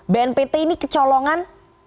bnpt ini kecolongan